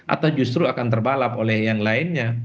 atau justru akan terbalap oleh yang lainnya